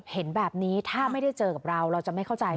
เห็นแบบนี้ถ้าไม่ได้เจอกับเราเราจะไม่เข้าใจ